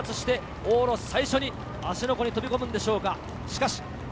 復活して往路、最初に芦ノ湖に飛び込むのでしょうか？